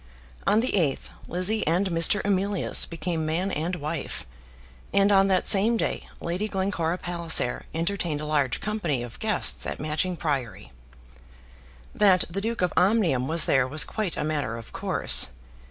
On the 8th Lizzie and Mr. Emilius became man and wife, and on that same day Lady Glencora Palliser entertained a large company of guests at Matching Priory. That the Duke of Omnium was there was quite a matter of course.